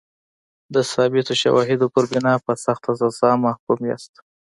د ثابتو شواهدو پر بنا په سخته سزا محکوم یاست.